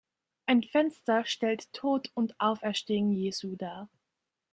Ein Fenster stellt "Tod und Auferstehung Jesu" dar.